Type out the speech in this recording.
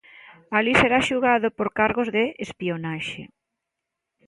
Alí será xulgado por cargos de "espionaxe".